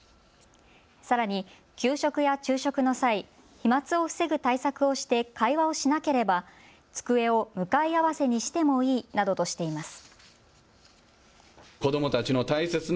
さらに給食や昼食の際、飛まつを防ぐ対策をして会話をしなければ机を向かい合わせにしてもいいなどとしています。